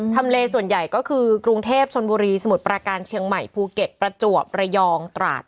เลส่วนใหญ่ก็คือกรุงเทพชนบุรีสมุทรประการเชียงใหม่ภูเก็ตประจวบระยองตราด